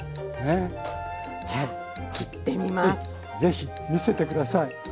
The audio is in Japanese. ええ是非見せて下さい。